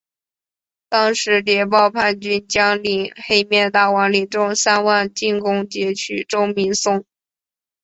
当时谍报叛军将领黑面大王领众三万进攻截取周明松。